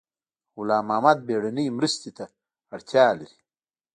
غلام محد بیړنۍ مرستې ته اړتیا لري